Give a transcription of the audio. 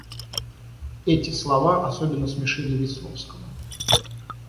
Эти слова особенно смешили Весловского.